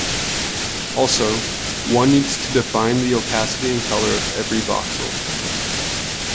Also, one needs to define the opacity and color of every voxel.